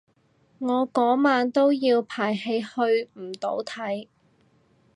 我嗰晚都要排戲去唔到睇